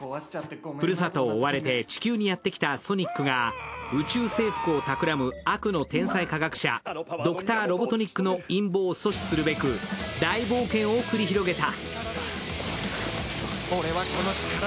ふるさとを追われて地球にやってきたソニックが宇宙征服を企む悪の天才科学者ドクター・ロボトニックの陰謀を阻止するべく大冒険を繰り広げた。